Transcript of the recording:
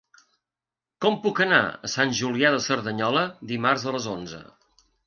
Com puc anar a Sant Julià de Cerdanyola dimarts a les onze?